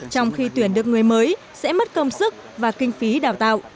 trong khi tuyển được người mới sẽ mất công sức và kinh phí đào tạo